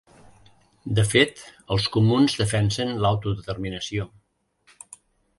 De fet, els comuns defensen l’autodeterminació.